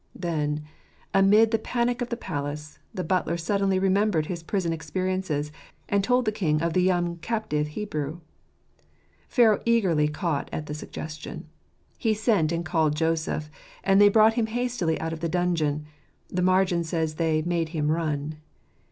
Then, amid the panic of the palace, the butler suddenly remembered his prison experiences, and told the king of the young captive Hebrew. Pharaoh eagerly caught at the suggestion : he sent and called Joseph ; and they brought him hastily out of the dungeon — the margin says, "they made him rqn."